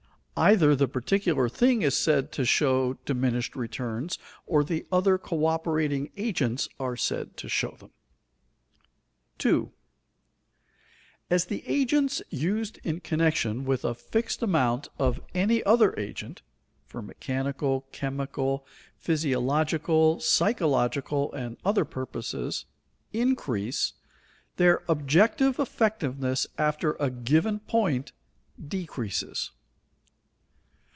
Either the particular thing is said to show diminished returns or the other coöperating agents are said to show them. [Sidenote: Decreasing technical effectiveness of material things] 2. _As the agents used in connection with a fixed amount of any other agent (for mechanical, chemical, physiological, psychological, and other purposes) increase, their objective effectiveness after a given point decreases.